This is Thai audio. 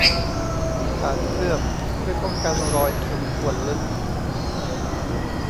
สารเคลือบช่วยป้องกันรอยขีดข่วนลึก